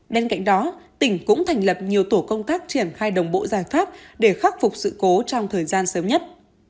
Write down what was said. bên cạnh đó tỉnh cũng thành lập nhiều tổ công tác triển khai đồng bộ giải pháp để khắc phục sự cố trong thời gian sớm nhất